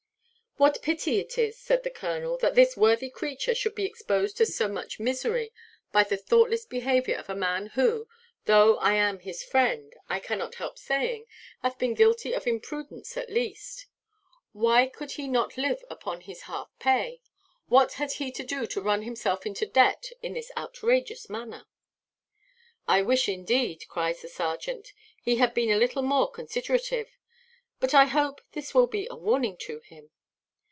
"What pity it is," said the colonel, "that this worthy creature should be exposed to so much misery by the thoughtless behaviour of a man who, though I am his friend, I cannot help saying, hath been guilty of imprudence at least! Why could he not live upon his half pay? What had he to do to run himself into debt in this outrageous manner?" "I wish, indeed," cries the serjeant, "he had been a little more considerative; but I hope this will be a warning to him."